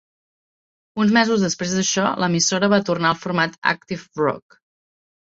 Uns mesos després d'això, l'emissora va tornar al format active rock.